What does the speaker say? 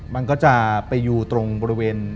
มันก็จะไปอยู่ตรงบริเวณ